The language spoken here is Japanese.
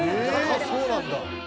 そうなんだ。